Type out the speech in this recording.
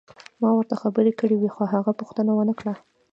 ما ورته خبرې کړې وې خو هغه پوښتنه ونه کړه.